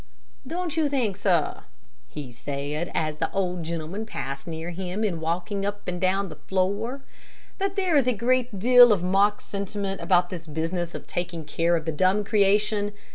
"Don't you think, sir," he said, as the old gentleman passed near him in walking up and down the floor, "that there is a great deal of mock sentiment about this business of taking care of the dumb creation?